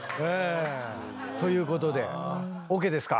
ということでＯＫですか？